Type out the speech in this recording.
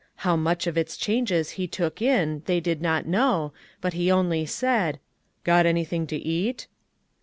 How much of its changes he took in they did not know, but he only said : "Got anything to eat?"